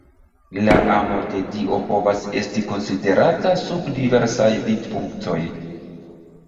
La amo de Dio povas esti konsiderata sub diversaj vidpunktoj.